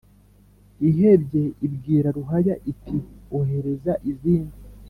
ihebye ibwira ruhaya iti «ohereza izindi,